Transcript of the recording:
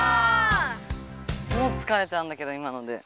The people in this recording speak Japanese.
もうつかれたんだけど今ので。